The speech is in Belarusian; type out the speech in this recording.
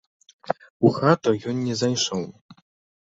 У хату ён не зайшоў.